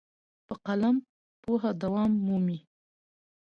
په قلم پوهه دوام مومي.